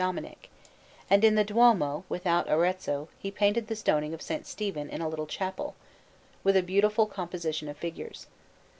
Dominic; and in the Duomo without Arezzo he painted the Stoning of S. Stephen in a little chapel, with a beautiful composition of figures.